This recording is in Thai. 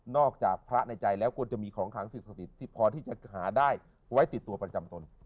นอกจากพระในใจแล้วก็จะมีของขางศาสตริษฐ์พอที่จะใช้หาได้ไว้ติดตัวประจำตน